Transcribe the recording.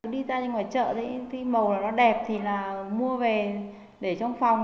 đi ra ngoài chợ đấy khi màu nó đẹp thì là mua về để trong phòng